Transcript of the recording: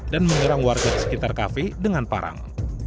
dan menyerang warga di sekitar kafe dengan parang